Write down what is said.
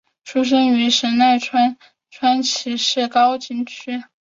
出生于神奈川县川崎市高津区。